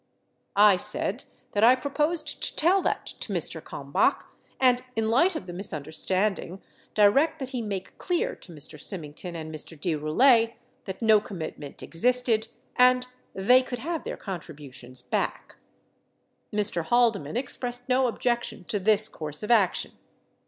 I said that I proposed to tell that to Mr. Kalmbach and, 6 Id. at p. 116. 6 Id. at p. 117. 500 in light of the misunderstanding, direct that he make clear to Mr. Symington and Mr. de Roulet that no commitment existed and they could have their contributions back. Mr. Haldeman expressed no objection to this course of action.